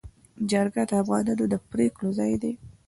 جرګه د افغانانو د پرېکړو ځای دی.